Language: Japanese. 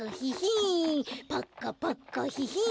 パッカパッカヒヒン！